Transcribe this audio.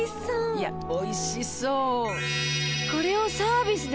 いやおいしそう。